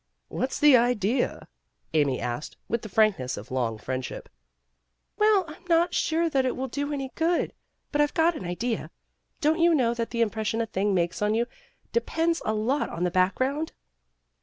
"What's the idea!" Amy asked, with the frankness of long friendship. THE CURE 223 "Well, I'm not sure that it will do any good. But I've got an idea Don't you know that the impression a thing makes on you depends a lot on the background!"